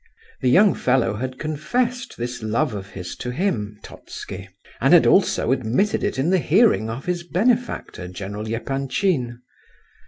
The young fellow had confessed this love of his to him (Totski) and had also admitted it in the hearing of his benefactor, General Epanchin.